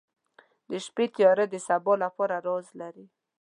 • د شپې تیاره د سبا لپاره راز لري.